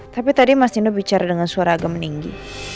tapi tadi mas tino bicara dengan suara agama ninggi